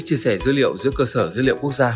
chia sẻ dữ liệu giữa cơ sở dữ liệu quốc gia